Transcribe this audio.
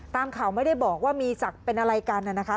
ตามข่าวไม่ได้บอกว่ามีศักดิ์เป็นอะไรกันนะคะ